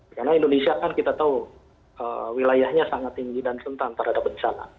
karena indonesia kan kita tahu wilayahnya sangat tinggi dan sentang terhadap bencana